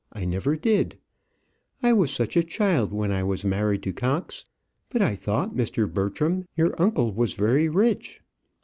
I never did. I was such a child when I was married to Cox. But I thought, Mr. Bertram, your uncle was very rich."